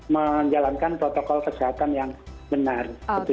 menjalankan protokol kesehatan yang benar